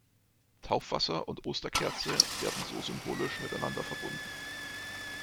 Taufwasser und Osterkerze werden so symbolisch miteinander verbunden.